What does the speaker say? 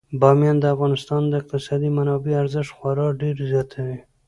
بامیان د افغانستان د اقتصادي منابعو ارزښت خورا ډیر زیاتوي.